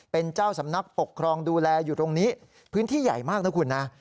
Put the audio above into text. เป็นเจ้าสำนักปกครองดูแลอยู่ตรงนี้พื้นที่ใหญ่มากนะคุณนะ